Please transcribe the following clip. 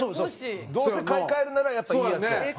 どうせ買い替えるならやっぱいいやつを。